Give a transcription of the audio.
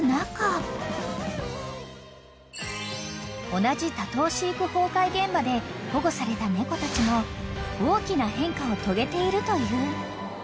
［同じ多頭飼育崩壊現場で保護された猫たちも大きな変化を遂げているという］